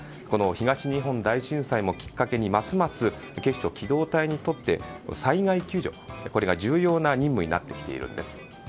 この東日本大震災をきっかけにますます警視庁機動隊にとって災害救助が重要な任務になってきているんです。